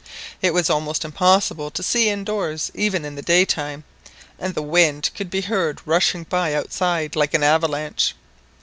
It was almost impossible to see indoors even in the daytime, and the wind could be heard rushing by outside like an avalanche.